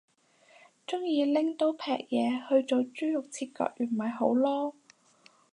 鍾意拎刀劈嘢去做豬肉切割員咪好囉